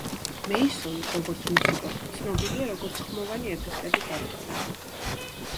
მეისონი, როგორც მუსიკოსი, ცნობილია, როგორც ხმოვანი ეფექტების ავტორი.